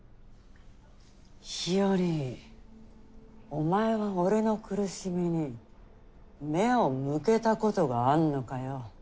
日和お前は俺の苦しみに目を向けたことがあんのかよ。